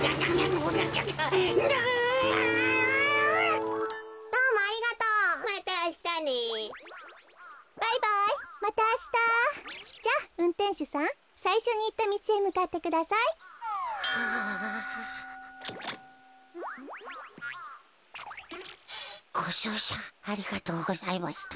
ごじょうしゃありがとうございました。